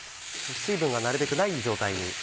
水分がなるべくない状態に。